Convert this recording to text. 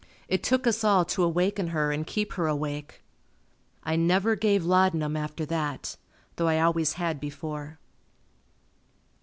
It took us all to awaken her and keep her awake. I never gave laudanum after that, though I always had before.